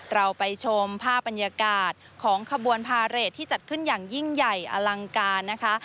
เราไปชมภาพบรรยากาศของขบวนพาเรทที่จัดขึ้นอย่างยิ่งใหญ่อลังการนะคะ